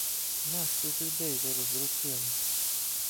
Нащо ж людей ви роздрочили?